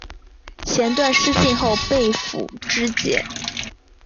弦断矢尽后被俘支解。